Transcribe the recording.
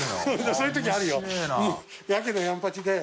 そういうときあるよ